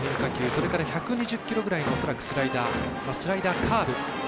それから、１２０キロぐらいの恐らく、スライダーカーブ